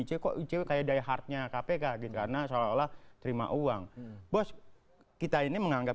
icw kok icw kayak di hardnya kpk gitu karena seolah olah terima uang bos kita ini menganggap